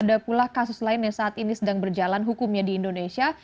ada pula kasus lain yang saat ini sedang berjalan hukumnya di indonesia